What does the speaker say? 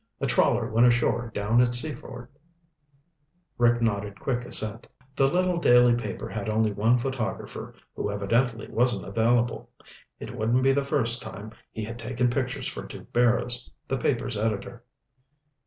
A trawler went ashore down at Seaford." Rick nodded quick assent. The little daily paper had only one photographer, who evidently wasn't available. It wouldn't be the first time he had taken pictures for Duke Barrows, the paper's editor.